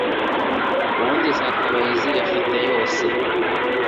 ubundi zakabaye ziyafite yose